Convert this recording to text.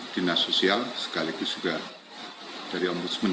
dinas sosial sekaligus juga dari ombudsman